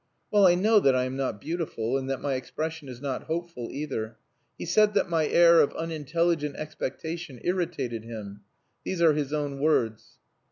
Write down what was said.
Well, I know that I am not beautiful, and that my expression is not hopeful either. He said that my air of unintelligent expectation irritated him. These are his own words."